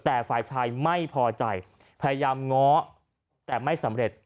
แต่ฝ่ายชายไม่พอใจพยายามง้อแต่ไม่สำเร็จ